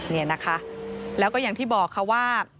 นี่นะคะแล้วก็อย่างที่บอกค่ะว่า